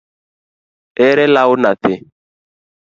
Ere law nyathi?